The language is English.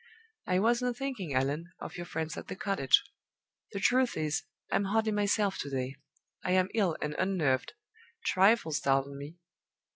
"I wasn't thinking, Allan, of your friends at the cottage. The truth is, I'm hardly myself to day. I am ill and unnerved; trifles startle me."